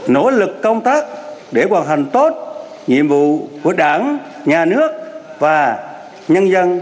nỗ lực công tác để hoàn thành tốt nhiệm vụ của đảng nhà nước và nhân dân do phó